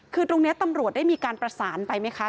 คือตรงนี้ตำรวจได้มีการประสานไปไหมคะ